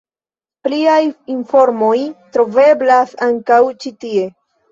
Pliaj informoj troveblas ankaŭ ĉi tie.